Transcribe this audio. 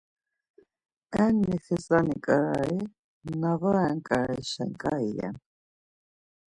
Enni xizani ǩarari, na var ren ǩararişen ǩai ren.